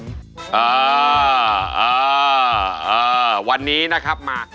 เออเออเออวันนี้นะครับมา